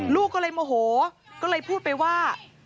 ลูกก็เลยโมโหก็เลยพูดไปว่า